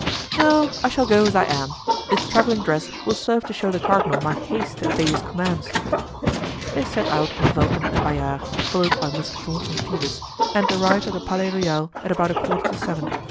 "No, I shall go as I am. This traveling dress will serve to show the cardinal my haste to obey his commands." They set out on Vulcan and Bayard, followed by Mousqueton on Phoebus, and arrived at the Palais Royal at about a quarter to seven.